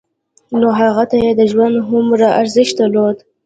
نو هغه ته يې د ژوند هومره ارزښت درلود.